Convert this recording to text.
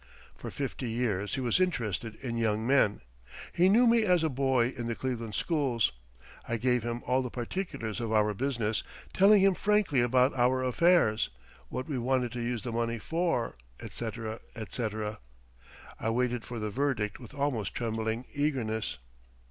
For fifty years he was interested in young men. He knew me as a boy in the Cleveland schools. I gave him all the particulars of our business, telling him frankly about our affairs what we wanted to use the money for, etc., etc. I waited for the verdict with almost trembling eagerness.